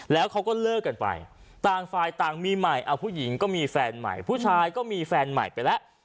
แล้วเขาก็เลิกกันไปต่างฝ่ายต่างมีใหม่เอาผู้หญิงก็มีแฟนใหม่ผู้ชายก็มีแฟนใหม่ไปแล้ว